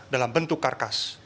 dalam bentuk karkas